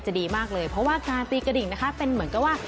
ดีมากเลยเพราะว่าการตีกระดิ่งนะคะเป็นเหมือนกับว่า